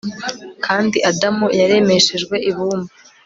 kandi adamu yaremeshejwe ibumba